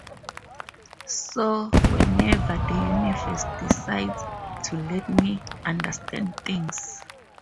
so whenever the universe decides to let me understand things